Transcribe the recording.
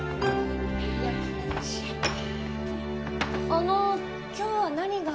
あの今日は何が？